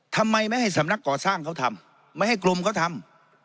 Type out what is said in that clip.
ทำไมไม่ให้สำนักก่อสร้างเขาทำไม่ให้กรมเขาทำ